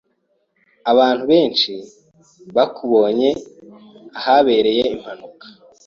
Abantu benshi bakubonye ahabereye impanuka.